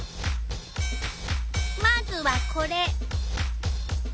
まずはこれ。